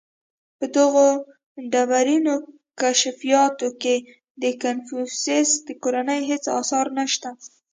• په دغو ډبرینو کشفیاتو کې د کنفوسیوس د کورنۍ هېڅ آثار نهشته.